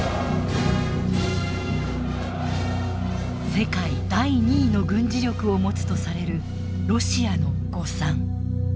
世界第２位の軍事力を持つとされるロシアの誤算。